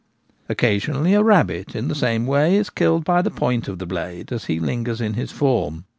Occasionally a rabbit, in the same way, is killed by the point of the blade as he lingers in his form.